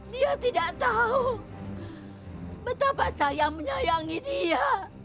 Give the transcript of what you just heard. dia tidak tahu betapa saya menyayangi dia